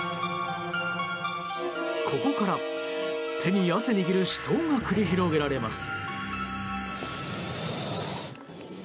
ここから、手に汗握る死闘が繰り広げられます。